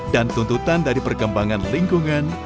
dan tuntutan dari perkembangan lingkungan